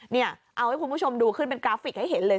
นี่เอาให้คุณผู้ชมดูขึ้นเป็นกราฟิกให้เห็นเลย